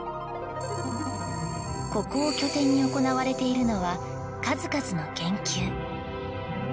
ここを拠点に行われているのは数々の研究。